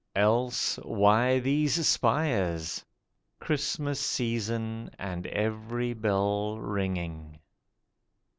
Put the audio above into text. Else why these spires?' (Christmas season, and every bell ringing.)